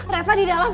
reva di dalam